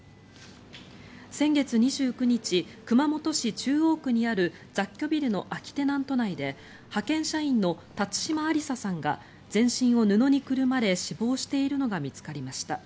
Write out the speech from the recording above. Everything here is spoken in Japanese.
先月２９日熊本市中央区にある雑居ビルの空きテナント内で派遣社員の辰島ありささんが全身を布にくるまれ死亡しているのが見つかりました。